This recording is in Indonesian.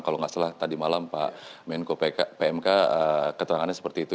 kalau nggak salah tadi malam pak menko pmk keterangannya seperti itu